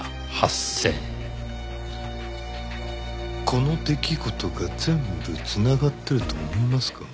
この出来事が全部繋がってると思いますか？